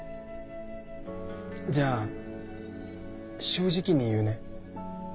じゃあ正直に言うね。